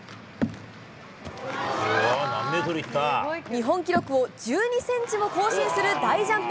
日本記録を１２センチも更新する大ジャンプ。